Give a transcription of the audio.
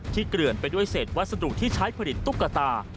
เกลื่อนไปด้วยเศษวัสดุที่ใช้ผลิตตุ๊กตา